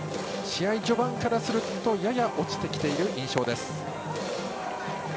試合序盤からするとやや落ちてきている印象です。